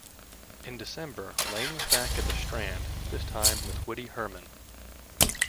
In December, Lane was back at the Strand, this time with Woody Herman.